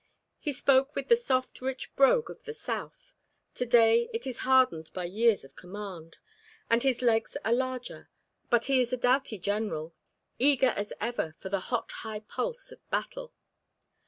He spoke with the soft rich brogue of the South; to day it is hardened by years of command, and his legs are larger, but he is a doughty general, eager as ever for the hot high pulse of battle.